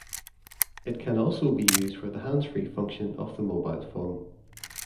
It can be also used for the handsfree function of the mobile phone.